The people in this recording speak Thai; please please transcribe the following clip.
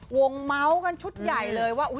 วงเมาส์กันชุดใหญ่เลยว่า